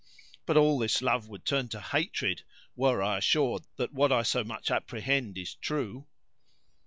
But all this love would turn to hatred, were I assured that what I so much apprehend is true."